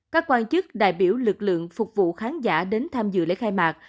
các quan chức đại biểu lực lượng phục vụ khán giả đến tham dự lễ khai mạc